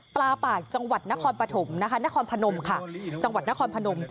ปลาปากจังหวัดนครพนมนะคะจังหวัดนครพนม